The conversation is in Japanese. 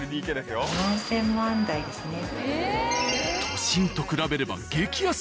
都心と比べれば激安！